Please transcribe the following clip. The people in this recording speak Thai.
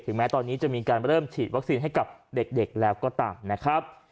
แม้ตอนนี้จะมีการเริ่มฉีดวัคซีนให้กับเด็กแล้วก็ตามนะครับ